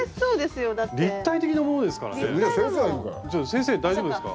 先生大丈夫ですか？